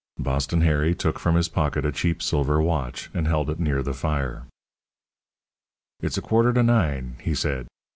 Boston Harry took from his pocket a cheap silver watch, and held it near the fire. "It's a quarter to nine," he said.